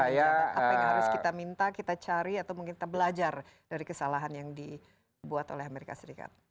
apa yang harus kita minta kita cari atau mungkin kita belajar dari kesalahan yang dibuat oleh amerika serikat